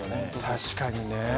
確かにね。